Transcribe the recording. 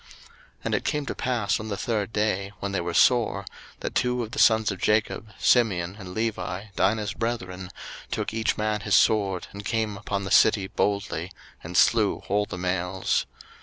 01:034:025 And it came to pass on the third day, when they were sore, that two of the sons of Jacob, Simeon and Levi, Dinah's brethren, took each man his sword, and came upon the city boldly, and slew all the males.